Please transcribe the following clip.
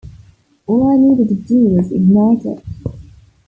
All I needed to do was ignite it.